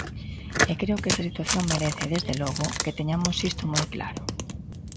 E creo que esta situación merece, desde logo, que teñamos isto moi claro.